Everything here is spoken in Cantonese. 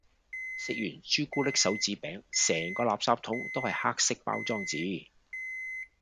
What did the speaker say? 食完朱古力手指餅，成個垃圾桶都係黑色包裝紙